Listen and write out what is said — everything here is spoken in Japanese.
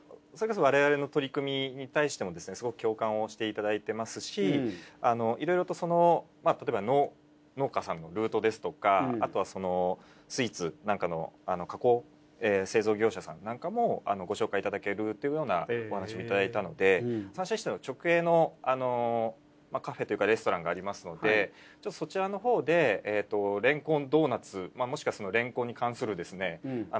それこそ我々の取り組みに対してもですねすごく共感をしていただいてますしいろいろとたとえば農家さんのルートですとかあとはスイーツなんかの加工製造業者さんなんかもご紹介いただけるっていうようなお話もいただいたのでサンシャインシティの直営のカフェというかレストランがありますのでそちらのほうでれんこんドーナツもしくはれんこんに関するですね